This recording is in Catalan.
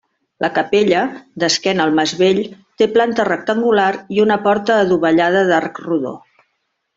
La capella, d'esquena al mas vell, té planta rectangular i una porta adovellada d'arc rodó.